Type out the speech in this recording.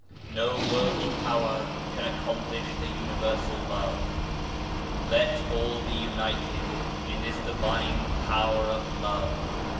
No worldly power can accomplish the Universal Love. Let all be united in this Divine Power of Love